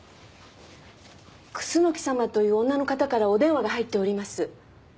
楠木様という女の方からお電話が入っております。